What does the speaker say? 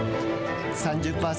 ３０％